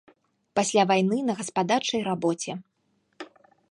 Пасля вайны на гаспадарчай рабоце.